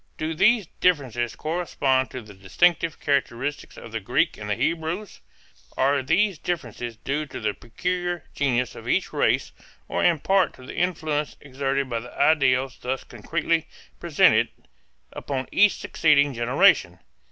Do these differences correspond to the distinctive characteristics of the Greeks and the Hebrews? Are these differences due to the peculiar genius of each race or in part to the influence exerted by the ideals thus concretely presented upon each succeeding generation?